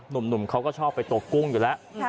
หนุ่มเขาก็ชอบไปตัวกุ้งอยู่แล้ว